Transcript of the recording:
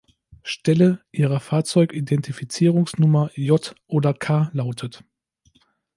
Stelle ihrer Fahrzeug-Identifizierungsnummer „J“ oder „K“ lautet.